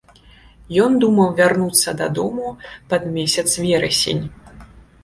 Ён думаў вярнуцца дадому пад месяц верасень.